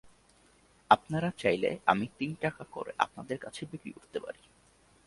আপনারা চাইলে আমি তিন টাকা করে আপনাদের কাছে বিক্রি করতে পারি।